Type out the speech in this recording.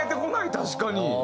確かに。